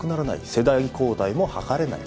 世代交代も図れない。